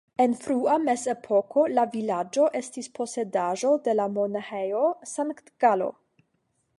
En frua mezepoko la vilaĝo estis posedaĵo de la Monaĥejo Sankt-Galo.